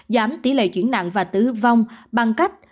giảm tỷ lệ chuyển nặng và tử vong bằng cách